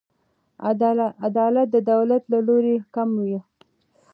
عدالت د دولت له لوري کم و.